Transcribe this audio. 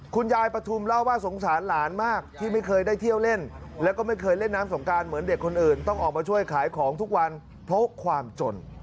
คุณยายปฐุมเล่าว่าสงสารหลานมากที่ไม่เคยได้เที่ยวเล่นแล้วก็ไม่เคยเล่นน้ำสงการเหมือนเด็กคนอื่นต้องออกมาช่วยขายของทุกวันเพราะความจน